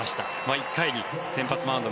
１回に先発マウンド